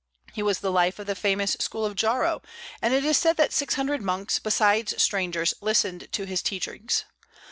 He was the life of the famous school of Jarrow, and it is said that six hundred monks, besides strangers, listened to his teachings.